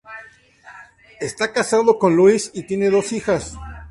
Está casado con Louise y tiene dos hijas.